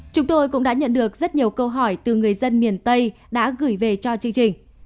chúng tôi cũng đã nhận được rất nhiều câu hỏi từ người dân miền tây đã gửi về cho chương trình